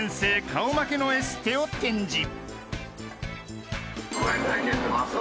顔負けのエステを展示］